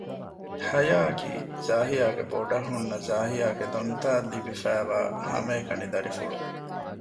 ހަޔާ އަކީ ޒާހިޔާގެ ބޮޑަށް ހުންނަ ޒާހިޔާގެ ދޮންތަ އަށް ލިބިފައިވާ ހަމަ އެކަނި ދަރިފުޅު